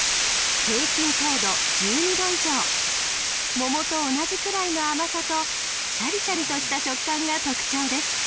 桃と同じくらいの甘さとシャリシャリとした食感が特徴です。